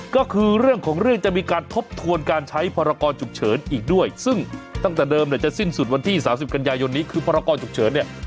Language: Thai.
ก็คือเรื่องของเรื่องจะมีการทบทวนการใช้พรกรฉุกเฉินอีกด้วยซึ่งตั้งแต่เดิมเนี่ยจะสิ้นสุดวันที่๓๐กันยายนนี้คือพรกรฉุกเฉินเนี่ย